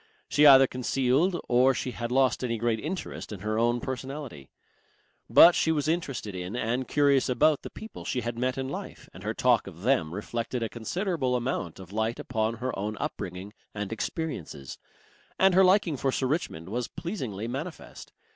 She either concealed or she had lost any great interest in her own personality. But she was interested in and curious about the people she had met in life, and her talk of them reflected a considerable amount of light upon her own upbringing and experiences. And her liking for Sir Richmond was pleasingly manifest.